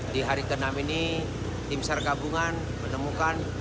di hari ke enam ini tim sar gabungan menemukan